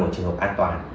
và một trường hợp an toàn